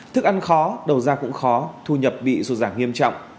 thức ăn khó đầu ra cũng khó thu nhập bị sụt giảm nghiêm trọng